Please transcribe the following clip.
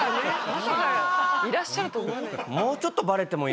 まさかいらっしゃると思わないからね。